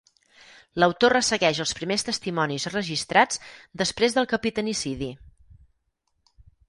L'autor ressegueix els primers testimonis registrats després del capitanicidi.